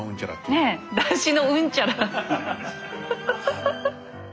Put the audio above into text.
ねえ？だしのうんちゃら！